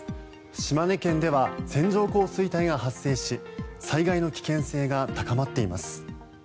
島根県では線状降水帯が発生し災害の危険性が高まっています。